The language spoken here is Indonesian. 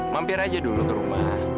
mampir aja dulu ke rumah